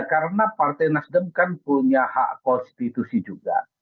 karena partai nasdem kan punya hak konstitusi juga